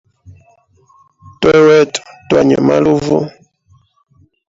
Twene wetu twanywe maluvu.